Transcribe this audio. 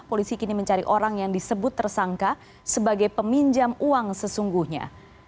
polisi kini mencari orang yang disebut tersangka sebagai peminjam uang sesungguhnya